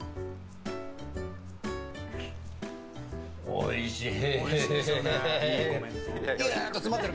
おいしい！